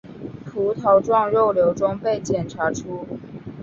葡萄状肉瘤中被检查出。